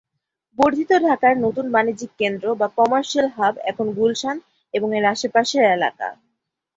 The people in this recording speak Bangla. বর্ধিত ঢাকার নতুন বাণিজ্যিক কেন্দ্র বা কমার্শিয়াল হাব এখন গুলশান এবং এর আশপাশের এলাকা।